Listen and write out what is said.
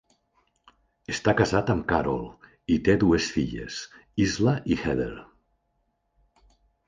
Està casat amb Carol i té dues filles, Isla i Heather.